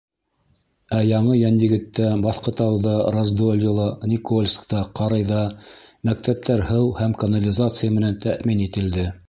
Ә Яңы Йәнйегеттә, Баҫҡытауҙа, Раздольела, Никольскта, Ҡарыйҙа мәктәптәр һыу һәм канализация менән тәьмин ителде.